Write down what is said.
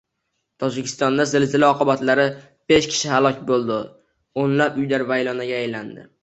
Tojikistonda zilzila oqibatlari:beshkishi halok bo‘ldi, o‘nlab uylar vayronaga aylandi